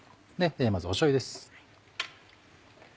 まずしょうゆです。